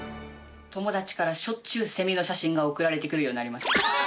友達からしょっちゅうセミの写真が送られてくるようになりました。